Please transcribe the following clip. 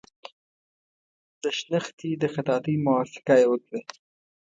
د شنختې د خطاطۍ موافقه یې وکړه.